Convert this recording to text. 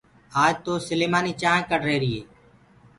آج تو سليمآني چآنه ڪآڙهري هي